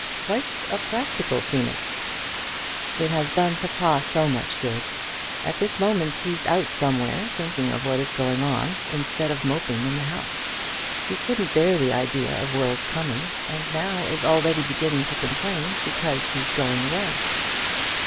"Quite a practical phoenix!" "It has done papa so much good! At this moment he's out somewhere, thinking of what is going on, instead of moping in the house. He couldn't bear the idea of Will's coming, and now he is already beginning to complain because he's going away."